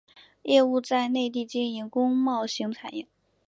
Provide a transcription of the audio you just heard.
业务在内地经营工贸型产业。